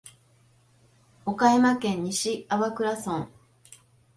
岡山県西粟倉村